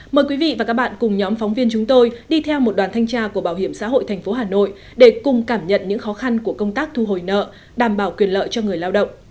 mời quý vị và các bạn cùng nhóm phóng viên chúng tôi đi theo một đoàn thanh tra của bảo hiểm xã hội tp hà nội để cùng cảm nhận những khó khăn của công tác thu hồi nợ đảm bảo quyền lợi cho người lao động